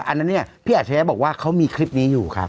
อันนั้นเนี่ยพี่อัจฉริยะบอกว่าเขามีคลิปนี้อยู่ครับ